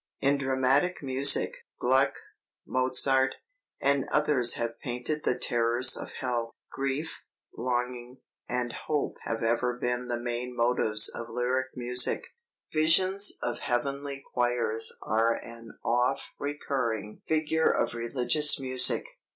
In dramatic music, Gluck, Mozart, and others have painted the terrors of hell. Grief, longing, and hope have ever been the main motives of lyric music; visions of heavenly choirs are an oft recurring figure of religious music.